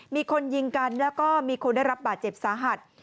มีคนยิงกันแล้วก็มีคนได้รับบาดเจ็บสาหัส